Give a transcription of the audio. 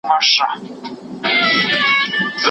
چي نه شرنګ وي د سازیانو نه مستي وي د رندانو